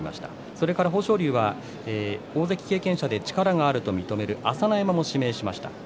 それから豊昇龍は大関経験者で力があると認める朝乃山を指名しました。